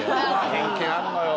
偏見あんのよ。